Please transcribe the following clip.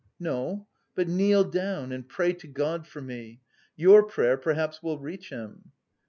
"No, but kneel down and pray to God for me. Your prayer perhaps will reach Him."